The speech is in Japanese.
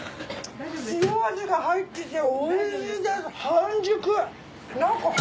塩味が入ってておいしいです。